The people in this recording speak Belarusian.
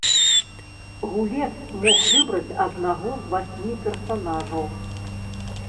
Гулец мог выбраць аднаго з васьмі персанажаў.